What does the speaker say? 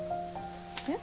えっ？